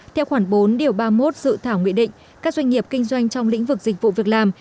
theo khoảng bốn ba mươi một dự thảo nguyện định các doanh nghiệp kinh doanh trong lĩnh vực dịch vụ việc làm